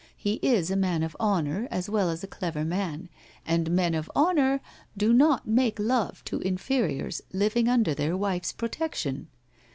He is a man of honour as well as a clever man, and men of honour do not make love to inferiors living under their wife's pro tection.